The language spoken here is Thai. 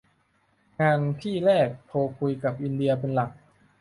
งานที่แรกโทรคุยกับอินเดียเป็นหลัก